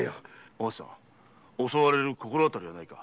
お初さん襲われる心当たりはないか。